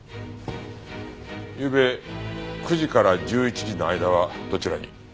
ゆうべ９時から１１時の間はどちらに？